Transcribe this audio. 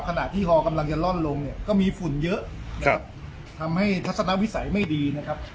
ขณะที่ฮอกำลังจะล่อนลงเนี่ยก็มีฝุ่นเยอะนะครับทำให้ทัศนวิสัยไม่ดีนะครับ